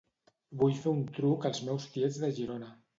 Vull fer un truc als meus tiets de Girona.